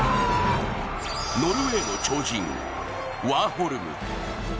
ノルウェーの超人・ワーホルム。